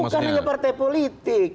bukan hanya partai politik